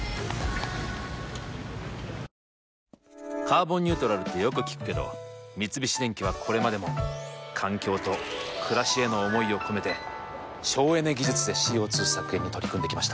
「カーボンニュートラル」ってよく聞くけど三菱電機はこれまでも環境と暮らしへの思いを込めて省エネ技術でＣＯ２削減に取り組んできました。